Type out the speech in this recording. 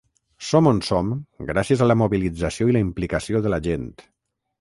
Som on som gràcies a la mobilització i la implicació de la gent.